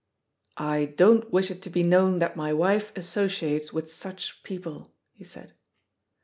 "I don't wish it to be known that my wife associates with such people," he said.